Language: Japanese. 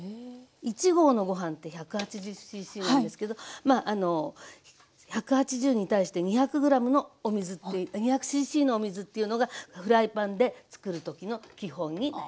１合のご飯って１８０ｃｃなんですけどまあ１８０に対して２００ｇのお水って２００ｃｃのお水っていうのがフライパンでつくる時の基本になります。